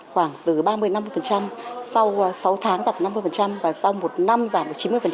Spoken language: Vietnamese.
khoảng từ ba mươi năm mươi sau sáu tháng giảm năm mươi và sau một năm giảm được chín mươi